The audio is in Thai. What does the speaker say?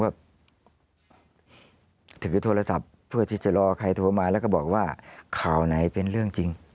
ว่าถือโทรศัพท์เพื่อที่จะรอใครโทรมาแล้วก็บอกว่าข่าวไหนเป็นเรื่องจริง